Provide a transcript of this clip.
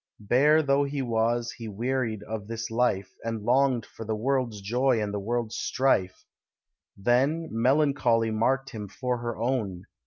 Bear though he was, he wearied of this life, And longed for the world's joy and the world's strife: Then "Melancholy marked him for her own."